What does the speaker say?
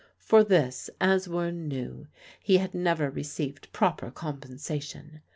For this, as Wearne knew, he had never received proper compensation.